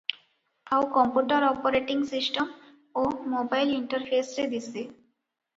ଆଉ computer operating system ଓ mobile ଇଣ୍ଟରଫେସରେ ଦିଶେ ।